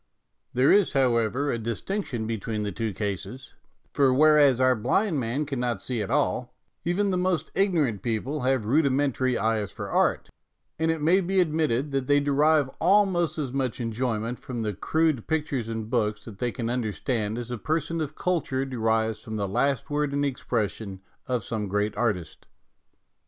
There is, however, a distinction between the two cases, for whereas our blind man cannot see at all, even the most ignorant people have rudi mentary eyes for art ; and it may be ad mitted that they derive almost as much enjoy ment from the crude pictures and books that they can understand as a person of culture derives from the last word in expression of some great artist.